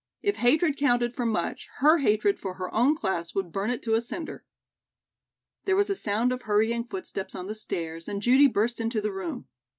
If hatred counted for much, her hatred for her own class would burn it to a cinder." There was a sound of hurrying footsteps on the stairs and Judy burst into the room.